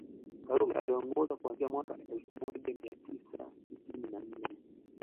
Karume aliongoza kuanzia mwaka elfu moja mia tisa sitini na nne